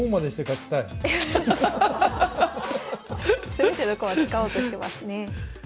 全ての駒使おうとしてますね。